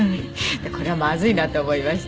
これはまずいなと思いまして。